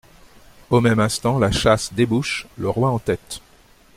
Au même instant, la chasse débouche, le roi en tête.